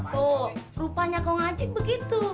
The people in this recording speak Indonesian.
tuh rupanya kok ngaji begitu